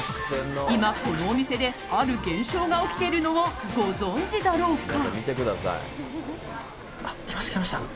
今、このお店で、ある現象が起きているのをご存じだろうか。